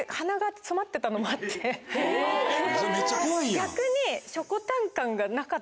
逆に。